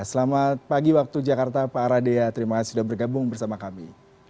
selamat pagi waktu jakarta pak aradea terima kasih sudah bergabung bersama kami